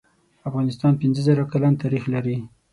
افغانستان پنځه زره کلن تاریخ لری